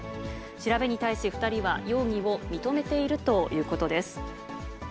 調べに対し、２人は容疑を認めているということです。